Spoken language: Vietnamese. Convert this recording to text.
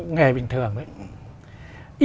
nghề bình thường ấy